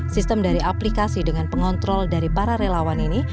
sistem dari aplikasi dengan pengontrol dari para relawan ini